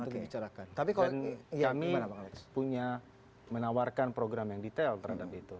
tapi kalau kita lihat kita bisa menawarkan program yang detail terhadap itu